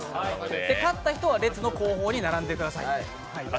勝った人は列の後方に並んでください。